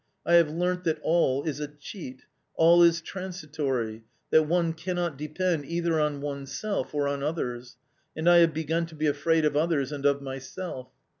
I have learnt that all is a cheat, all is transitory, that one can not depend either on oneself or on others, and I have begun to be afraid of others and of myself.